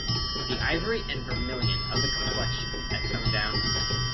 The ivory and vermilion of the complexion had toned down.